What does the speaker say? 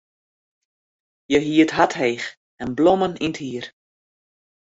Hja hie it hart heech en blommen yn it hier.